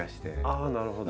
ああなるほど。